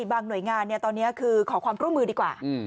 บางหน่วยงานตอนนี้คือขอความร่วมมือดีกว่า